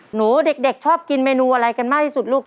หนูเด็กชอบกินเมนูอะไรกันมากที่สุดลูก